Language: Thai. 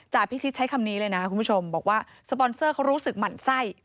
พิชิตใช้คำนี้เลยนะคุณผู้ชมบอกว่าสปอนเซอร์เขารู้สึกหมั่นไส้